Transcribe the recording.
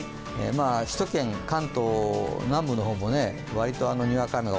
首都圏、関東南部の方割とにわか雨が